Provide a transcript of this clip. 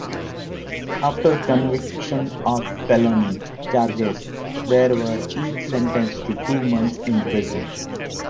After conviction of felony charges, they were each sentenced to two months in prison.